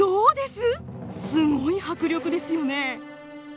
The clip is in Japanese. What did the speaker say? すごい迫力ですよね！